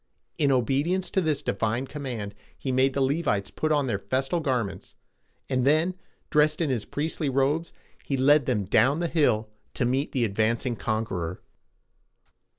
In obedience to this divine command, he made the Le´vites put on their festal garments, and then, dressed in his priestly robes, he led them down the hill to meet the advancing conqueror.